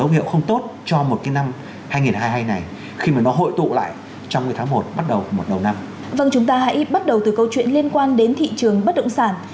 vâng chúng ta hãy bắt đầu từ câu chuyện liên quan đến thị trường bất động sản